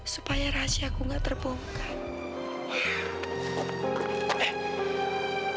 supaya rahasia aku nggak terbongkar